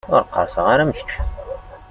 Ur qqerṣeɣ ara am kečč.